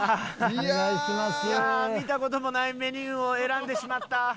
いや見た事もないメニューを選んでしまった。